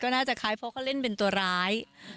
น่าจะคล้ายเพราะเขาเล่นเป็นตัวร้าย